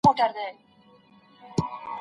په کور کي د زده کړي لپاره اوږده لاره نه وهل کېږي.